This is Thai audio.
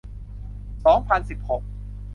สองพันสิบหก